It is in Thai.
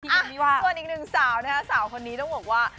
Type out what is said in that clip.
ส่วนอีกหนึ่งสาวนะคะสาวคนนี้ต้องบอกว่า